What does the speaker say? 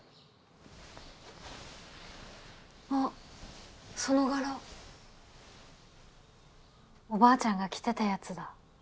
あその柄おばあちゃんが着てたやつだ。